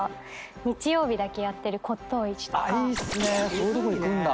そういうとこ行くんだ。